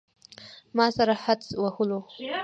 ما سره حدس وهلو.